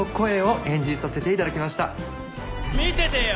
見ててよ